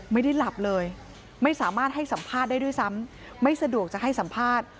ไม่ได้หลับเลยไม่สามารถให้สัมภาษณ์ได้ด้วยซ้ำไม่สะดวกจะให้สัมภาษณ์